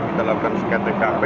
kita lakukan skater kmp